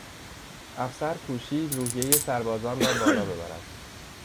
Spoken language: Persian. افسر کوشید روحیهی سربازان را بالا ببرد.